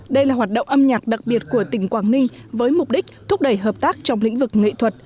đây là hoạt động âm nhạc đặc biệt của tỉnh quảng ninh với mục đích thúc đẩy hợp tác trong lĩnh vực nghệ thuật